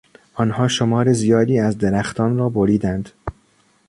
آنها شمار زیادی از درختان را بریدند.